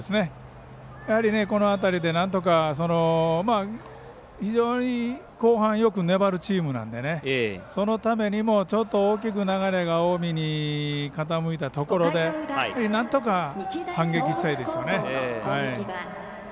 やはりこの辺りでなんとか非常に後半よく粘るチームなのでそのためにも、ちょっと大きく流れが近江に傾いたところでなんとか反撃したいですよね。